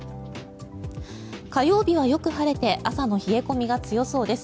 火曜日はよく晴れて朝の冷え込みが強そうです。